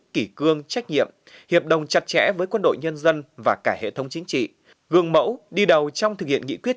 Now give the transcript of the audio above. kỷ cương trách nhiệm hiệp đồng chặt chẽ với quân đội nhân dân và cả hệ thống chính trị gương mẫu đi đầu trong thực hiện nghị quyết